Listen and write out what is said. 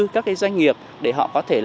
các doanh nghiệp để họ có thể